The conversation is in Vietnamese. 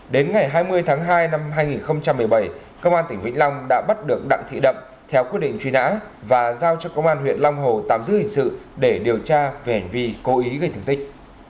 đến ngày hai mươi tháng hai năm hai nghìn một mươi bảy công an tỉnh vĩnh long đã bắt được đặng thị đậm theo quyết định truy nã và giao cho công an huyện long hồ tạm giữ hình sự để điều tra về hành vi cố ý gây thương tích